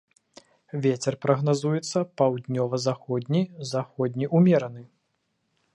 Вецер прагназуецца паўднёва-заходні, заходні ўмераны.